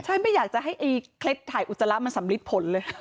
ใช่ไม่อยากจะให้ไอ้เคล็ดถ่ายอุจจาระมันสำลิดผลเลย